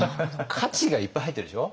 「かち」がいっぱい入ってるでしょ？